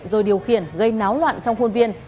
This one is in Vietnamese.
rồi điều khiển gây náo loạn trong khuôn viên